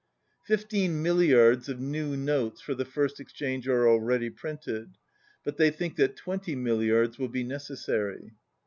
Fifteen milliards of new notes for the first ex change are already printed, but they think that twenty milliards will be necessary.